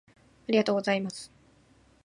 ありがとうございます